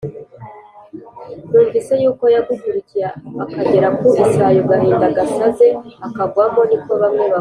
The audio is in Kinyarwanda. numvise yuko yagukurikiye, akagera ku Isayo Gahindagasaze, akagwamo; niko bamwe bavuga